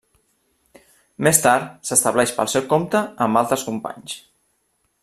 Més tard s'estableix pel seu compte amb altres companys.